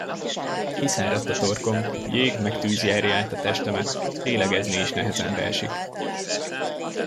Kiszáradt a torkom, jég meg tűz járja át a testemet, lélegzeni is nehezemre esik.